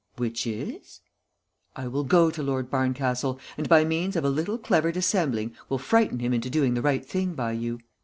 "Which is?" "I will go to Lord Barncastle, and by means of a little clever dissembling will frighten him into doing the right thing by you.